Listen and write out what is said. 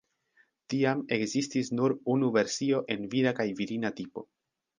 Tiam ekzistis nur unu versio en vira kaj virina tipo.